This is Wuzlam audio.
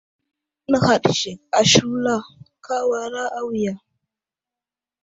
Nə̀haɗ sek a shula ,ka wara awiya.